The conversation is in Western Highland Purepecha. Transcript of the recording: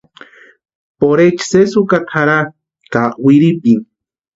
Porhechi sési ukaata jarhatʼi ka wirhipini.